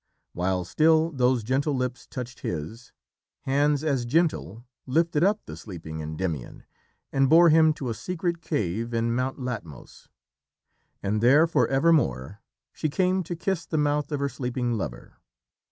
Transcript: While still those gentle lips touched his, hands as gentle lifted up the sleeping Endymion and bore him to a secret cave in Mount Latmos. And there, for evermore, she came to kiss the mouth of her sleeping lover.